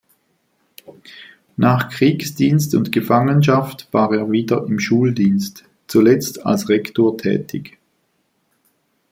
Nach Kriegsdienst und Gefangenschaft war er wieder im Schuldienst, zuletzt als Rektor, tätig.